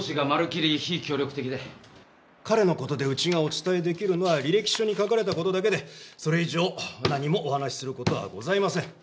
彼の事でうちがお伝え出来るのは履歴書に書かれた事だけでそれ以上何もお話しする事はございません。